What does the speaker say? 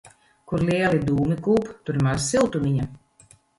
Kur lieli dūmi kūp, tur maz siltumiņa.